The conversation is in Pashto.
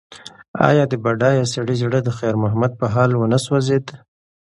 ایا د بډایه سړي زړه د خیر محمد په حال ونه سوځېد؟